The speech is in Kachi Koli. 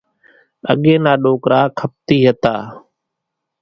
اڳيَ نا ڏوڪرا کپتِي هتا۔